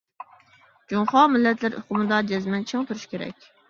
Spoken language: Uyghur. «جۇڭخۇا مىللەتلىرى» ئۇقۇمىدا جەزمەن چىڭ تۇرۇش كېرەك.